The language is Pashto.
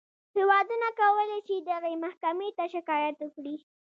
هېوادونه کولی شي دغې محکمې ته شکایت وکړي.